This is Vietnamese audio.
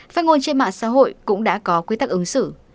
phát ngôn trên mạng xã hội cũng đã có quy tắc ứng xử